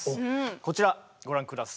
こちらご覧下さい。